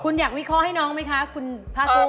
คุณอยากวิเคราะห์ให้น้องไหมคะคุณภาคภูมิ